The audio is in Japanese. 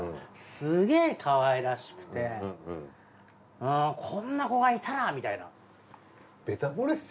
すげぇかわいらしくてこんな子がいたらみたいな。